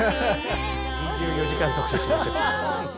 ２４時間特集しましょう。